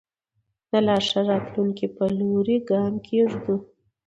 د لا ښه راتلونکي په لوري ګام کېږدو.